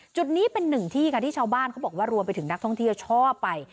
จุดนี้เป็นหนึ่งที่ค่ะที่ชาวบ้านเขาบอกว่ารวมไปถึงนักท่องเที่ยวชอบไป